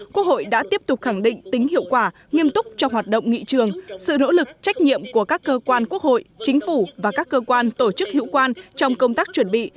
quốc hội đã tiếp tục khẳng định tính hiệu quả nghiêm túc cho hoạt động nghị trường sự nỗ lực trách nhiệm của các cơ quan quốc hội chính phủ và các cơ quan tổ chức hữu quan trong công tác chuẩn bị